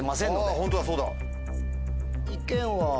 あホントだそうだ。